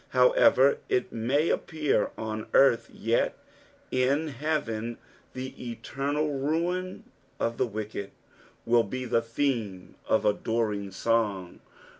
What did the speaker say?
However it may appear on earth, yet in heaven the eternal ruin of the wicked will be the theme of adoring song.